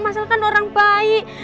masa masa kan orang baik